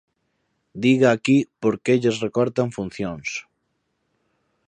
Diga aquí por que lles recortan funcións.